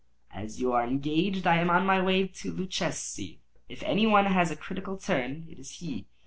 "As you are engaged, I am on my way to Luchesi. If any one has a critical turn, it is he.